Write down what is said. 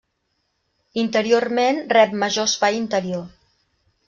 Interiorment rep major espai interior.